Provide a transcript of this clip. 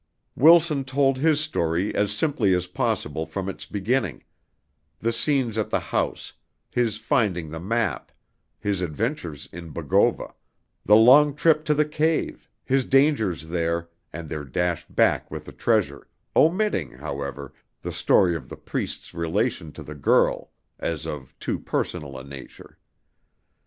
Wilson told his story as simply as possible from its beginning; the scenes at the house, his finding the map, his adventures in Bogova, the long trip to the cave, his danger there, and their dash back with the treasure, omitting, however, the story of the Priest's relation to the girl as of too personal a nature.